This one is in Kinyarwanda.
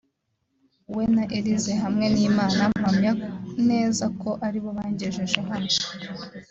we na Elyse hamwe n’Imana mpamya neza ko ari bo bangejeje hano”